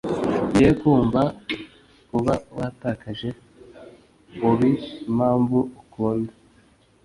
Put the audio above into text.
ye kumva uba watakaje ubuimpamvu ukunda